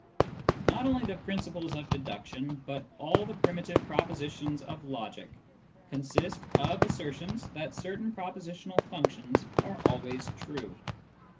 Not only the principles of deduction, but . all the primitive propositions of logic, consist of assertions that certain proposi tional functions are always true.